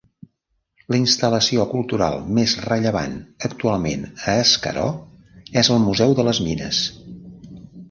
La instal·lació cultural més rellevant actualment a Escaró és el Museu de les Mines.